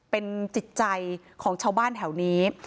เป็นจิตใจของชาวบ้านแถวนี้